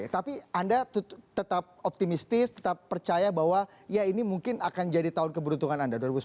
tapi anda tetap optimistis tetap percaya bahwa ya ini mungkin akan jadi tahun keberuntungan anda dua ribu sembilan belas